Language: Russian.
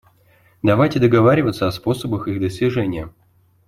Давайте договариваться о способах их достижения.